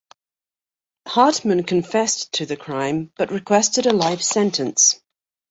Hartman confessed to the crime but requested a life sentence.